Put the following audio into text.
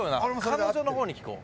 彼女の方に聞こう。